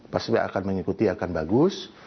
pasti akan mengikuti akan bagus